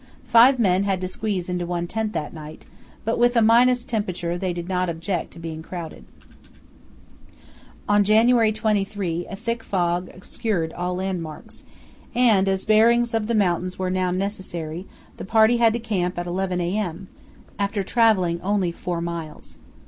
Five men had to squeeze into one tent that night, but with a minus temperature they did not object to being crowded. On January 23 a thick fog obscured all landmarks, and as bearings of the mountains were now necessary the party had to camp at 11 a.m., after travelling only four miles.